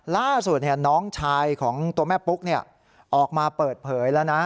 ล่าสุดน้องชายของตัวแม่ปุ๊กออกมาเปิดเผยแล้วนะ